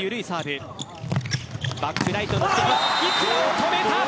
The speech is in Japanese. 止めた。